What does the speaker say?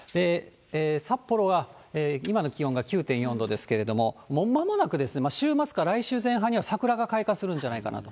札幌が今の気温が９．４度ですけれども、もうまもなく、週末か来週前半には桜が開花するんじゃないかなと。